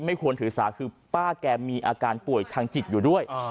ควรถือสาคือป้าแกมีอาการป่วยทางจิตอยู่ด้วย